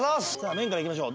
麺からいきましょう。